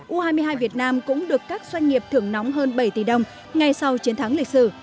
u hai mươi hai việt nam cũng được các doanh nghiệp thưởng nóng hơn bảy tỷ đồng ngay sau chiến thắng lịch sử